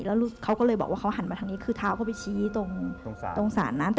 แล้วเขาก็เลยบอกว่าเขาหันมาทางนี้คือเท้าเขาไปชี้ตรงศาลนั้น